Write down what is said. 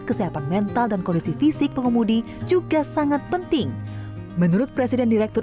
kesehatan mental dan kondisi fisik pengemudi juga sangat penting menurut presiden direktur